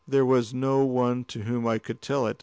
There was no one to whom I could tell it.